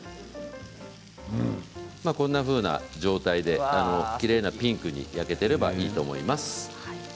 こんなふうな状態できれいなピンクに焼けていればいいと思います。